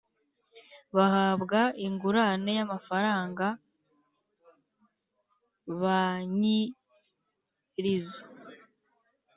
bahabwa ingurane y amafaranga ba nyir izo